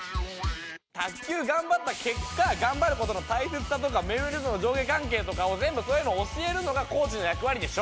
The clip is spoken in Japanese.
卓球頑張った結果頑張る事の大切さとか目上の人との上下関係とかを全部そういうのを教えるのがコーチの役割でしょ？